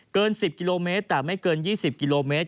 เกิน๑๐กิโลเมตรแต่ไม่เกิน๒๐กิโลเมตร